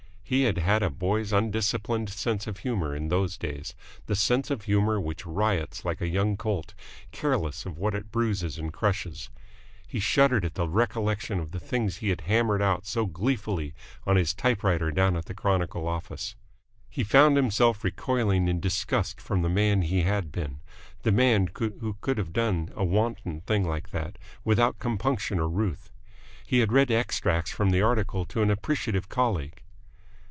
He had had a boy's undisciplined sense of humour in those days, the sense of humour which riots like a young colt, careless of what it bruises and crushes. He shuddered at the recollection of the things he had hammered out so gleefully on his typewriter down at the Chronicle office. He found himself recoiling in disgust from the man he had been, the man who could have done a wanton thing like that without compunction or ruth. He had read extracts from the article to an appreciative colleague.